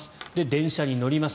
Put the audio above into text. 電車に乗ります。